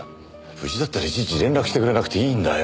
無事だったらいちいち連絡してくれなくていいんだよ。